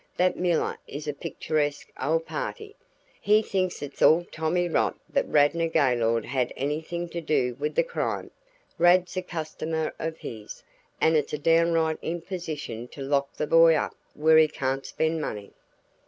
"That Miller is a picturesque old party. He thinks it's all tommy rot that Radnor Gaylord had anything to do with the crime Rad's a customer of his, and it's a downright imposition to lock the boy up where he can't spend money."